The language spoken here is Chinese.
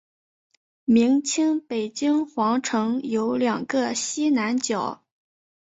明清北京皇城有两个西南角。